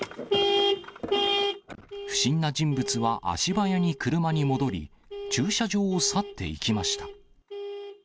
不審な人物は足早に車に戻り、駐車場を去っていきました。